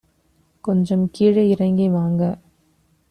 கொஞ்சம் கீழே இறங்கி வாங்க